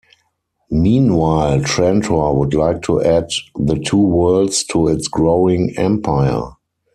Meanwhile, Trantor would like to add the two worlds to its growing empire.